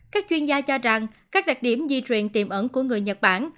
các chuyên gia cho rằng các đặc điểm di truyền tiềm ẩn của người nhật bản